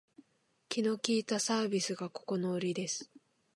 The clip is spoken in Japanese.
気の利いたサービスがここのウリです